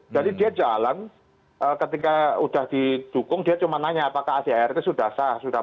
jadi dia jalan ketika udah didukung dia cuma nanya apakah acr itu sudah sah